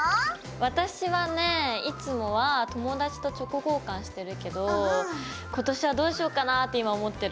私はねいつもは友達とチョコ交換してるけど今年はどうしようかなって今思ってる。